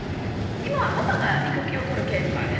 今はパパが育休を取るケースもね